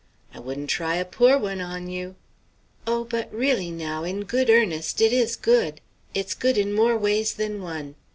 "I wouldn't try a poor one on you." "Oh! but really, now, in good earnest, it is good. It's good in more ways than one.